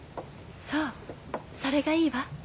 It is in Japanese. そうそれがいいわ。